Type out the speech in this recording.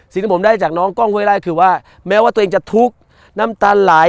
สิ่งที่ผมได้จากน้องกล้องห้วยไล่คือว่าแม้ว่าตัวเองจะทุกข์น้ำตาไหล